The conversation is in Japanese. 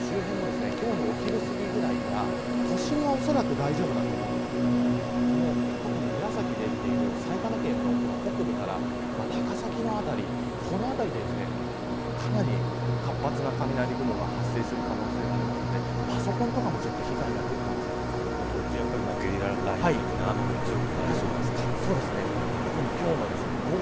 関東の周辺でも今日のお昼すぎくらいから都心はおそらく大丈夫だと思いますがこの特に紫で出ている埼玉県の北部から高崎の辺りこの辺りでかなり活発な雷雲が発生する可能性がありますのでパソコンとかも被害が出る可能性がやっぱりゲリラ雷雨的な雨もそうですね。